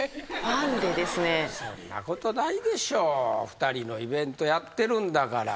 ２人のイベントやってるんだから。